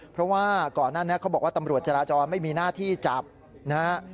เพราะว่าก่อนหน้านี้เขาบอกว่าตำรวจจราจรไม่มีหน้าที่จับนะฮะ